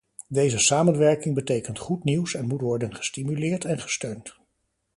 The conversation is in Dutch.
Deze samenwerking betekent goed nieuws en moet worden gestimuleerd en gesteund.